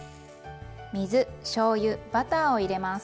水しょうゆバターを入れます。